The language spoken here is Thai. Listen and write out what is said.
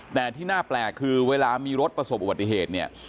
แต่ที่น่าแปลกคือเวลามีรถประสบอุบัติเหตุเนี่ย